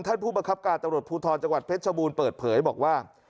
ท่านผู้บังคับการณ์ตรวจภูทรจังหวัดเพชรบูนเปิดเผยบอกว่า